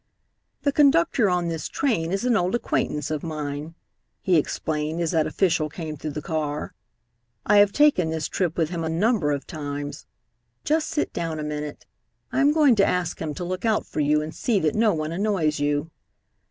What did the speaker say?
"The conductor on this train is an old acquaintance of mine," he explained as that official came through the car. "I have taken this trip with him a number of times. Just sit down a minute. I am going to ask him to look out for you and see that no one annoys you."